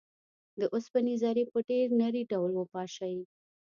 د اوسپنې ذرې په ډیر نري ډول وپاشئ.